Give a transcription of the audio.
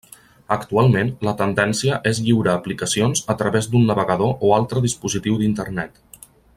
Actualment, la tendència és lliurar aplicacions a través d'un navegador o altre dispositiu d'internet.